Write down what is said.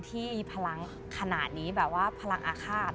ที่พลังขนาดนี้แบบว่าพลังอาฆาต